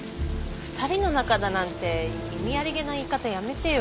二人の仲だなんて意味ありげな言い方やめてよ。